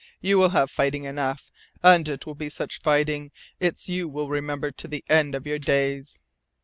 You will have fighting enough. And it will be such fighting its you will remember to the end of your days.